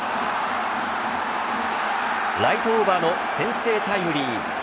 ライトオーバーの先制タイムリー。